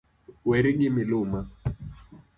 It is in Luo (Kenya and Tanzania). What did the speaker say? Weri gi miluma.